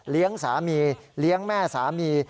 เลี้ยงสามีเลี้ยงแม่สามี